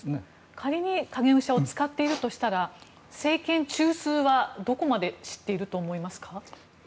仮に影武者を使っているとしたら政権中枢はどこまで知っていると思いますか？